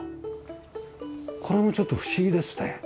これもちょっと不思議ですね。